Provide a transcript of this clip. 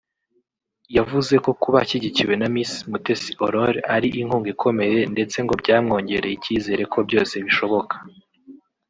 yavuze ko kuba ashyigikiwe na Miss Mutesi Aurore ari inkunga ikomeye ndetse ngo byamwongereye icyizere ko ‘byose bishoboka’